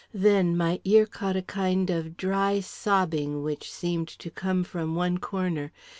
Then my ear caught a kind of dry sobbing, which seemed to come from one corner.